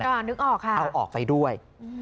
ก็นึกออกค่ะเอาออกไปด้วย